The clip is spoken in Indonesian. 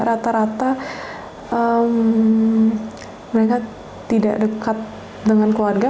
rata rata mereka tidak dekat dengan keluarga